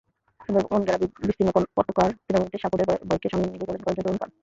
সুন্দরবনঘেরা বিস্তীর্ণ কটকার তৃণভূমিতে শ্বাপদের ভয়কে সঙ্গে নিয়ে এগিয়ে চলেছেন কয়েকজন তরুণপ্রাণ।